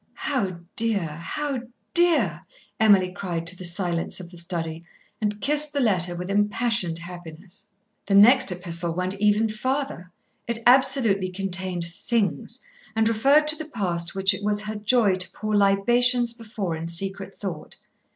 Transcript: "How dear, how dear?" Emily cried to the silence of the study, and kissed the letter with impassioned happiness. [Illustration: Lady Maria Bayne] The next epistle went even farther. It absolutely contained "things" and referred to the past which it was her joy to pour libations before in secret thought.